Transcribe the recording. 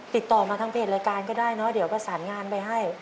ติดต่อมาทางเพจรายการก็ได้เนอะเดี๋ยวประสานงานไปให้